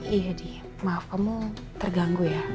iya di maaf kamu terganggu ya